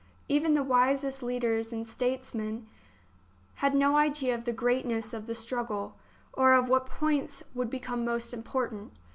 Even the wisest leaders and statesmen had no idea of the greatness of the struggle, or of what points would become most important.